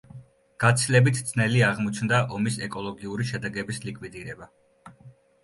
გაცილებით ძნელი აღმოჩნდა ომის ეკოლოგიური შედეგების ლიკვიდირება.